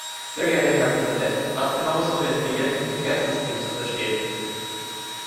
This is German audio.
Sehr geehrter Herr Präsident, was genau ist unter intelligenten Verkehrssystemen zu verstehen?